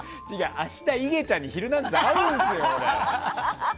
明日、いげちゃんに「ヒルナンデス！」で会うんですよ。